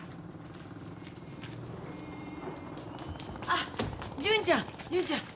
あ純ちゃん純ちゃん。